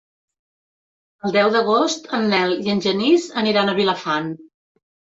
El deu d'agost en Nel i en Genís aniran a Vilafant.